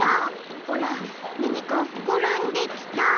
ほらなにかふくらんできた！